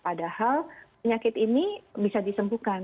padahal penyakit ini bisa disembuhkan